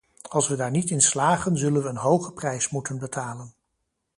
Als we daar niet in slagen zullen we een hoge prijs moeten betalen.